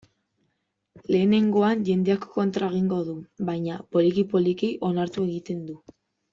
Lehenengoan, jendeak kontra egingo du, baina, poliki-poliki, onartu egiten du.